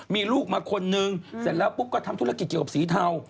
มีลูกมาคนนึงแล้วปุ๊บก็ทำธุรกิจธิกับสีเทา